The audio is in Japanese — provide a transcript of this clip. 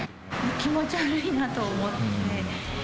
気持ち悪いなと思って。